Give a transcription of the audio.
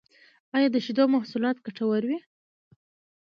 ایا د شیدو محصولات ګټور وی؟